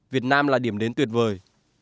việt nam là điểm đến tuyệt vời